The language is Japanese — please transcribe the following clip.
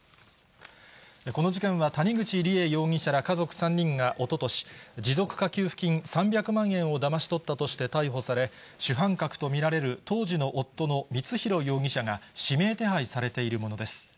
この事件は谷口梨恵容疑者ら家族３人がおととし、持続化給付金３００万円をだまし取ったとして逮捕され、主犯格と見られる、当時の夫の光弘容疑者が指名手配されているものです。